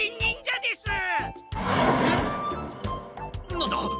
何だ！？